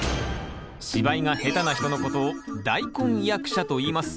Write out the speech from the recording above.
芝居が下手な人のことを「大根役者」といいます。